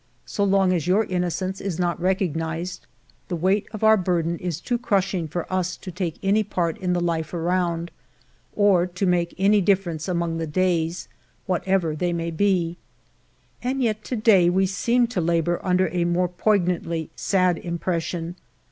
So long as your innocence is not recognized, the weight of our burden is too crushing for us to take any part in the life around, or to make any difference among the days, whatever they may be. ALFRED DREYFUS 197 And yet to day we seem to labor under a more poignantly sad impression.